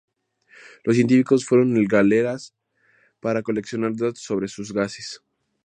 Los científicos fueron al Galeras para coleccionar datos sobre sus gases.